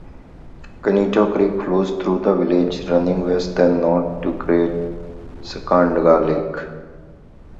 Kennyetto Creek flows through the village, running west, then north, to Great Sacandaga Lake.